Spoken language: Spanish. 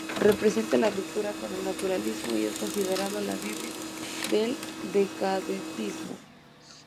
Representa la ruptura con el naturalismo y es considerado la "Biblia" del decadentismo.